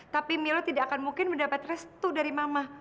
tapi milo tidak akan mungkin mendapat restu dari mama